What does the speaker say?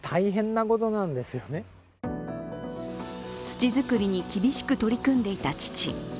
土作りに厳しく取り組んでいた父。